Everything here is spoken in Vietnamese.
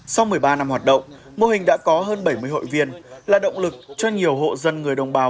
sau một mươi ba năm hoạt động mô hình đã có hơn bảy mươi hội viên là động lực cho nhiều hộ dân người đồng bào